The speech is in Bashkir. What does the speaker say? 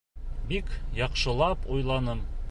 Бик яҡшылап уйланым.